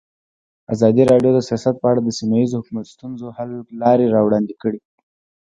ازادي راډیو د سیاست په اړه د سیمه ییزو ستونزو حل لارې راوړاندې کړې.